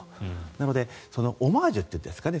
なのでオマージュというんですかね。